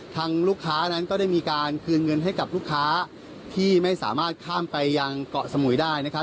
ทางลูกค้านั้นก็ได้มีการคืนเงินให้กับลูกค้าที่ไม่สามารถข้ามไปยังเกาะสมุยได้นะครับ